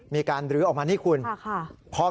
มีการรื้อออกมานี่คุณค่ะค่ะ